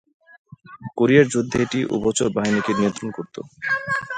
কোরিয়ার যুদ্ধে এটি উভচর বাহিনীকে নিয়ন্ত্রণ করত।